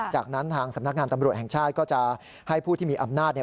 จากนั้นทางสำนักงานตำรวจแห่งชาติก็จะให้ผู้ที่มีอำนาจ